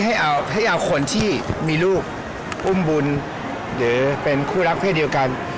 ให้เอาให้เอาคนที่มีลูกอุ้มบุญหรือเป็นคู่รักเพศเดียวกัน